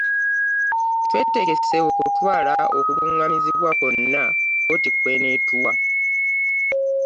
Twetegese okutwala okulungamizibwa kwonna kkooti kweneetuwa.